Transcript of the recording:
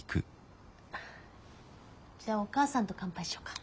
じゃあお母さんと乾杯しよっか。